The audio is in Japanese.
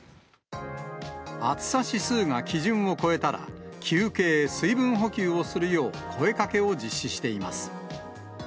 暑さ指数が基準を超えたら、休憩、水分補給をするよう、声かけを実施しています。